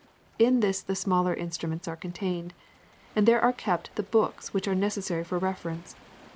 In this the smaller instruments are contained, and there are kept the books which are necessary for reference.